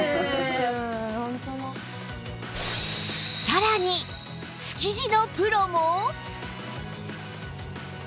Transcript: さらに築地のプロも